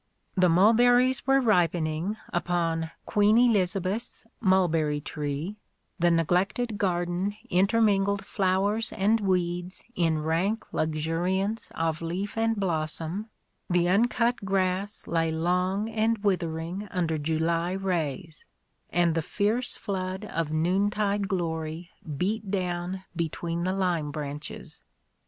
The mulberries were ripening upon Queen Elizabeth's Mulberry Tree," the neglected gar den intermingled flowers and weeds in rank luxuriance of leaf and blossom, the uncut grass lay long and withering under July rays; and the fierce flood of noontide glory beat down between the lime branches.